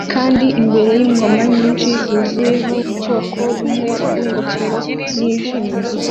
kandi imbere yingoma nyinshi zuzuyeho ubwoko bumwe bwingofero nijimye.